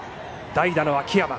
代打の秋山。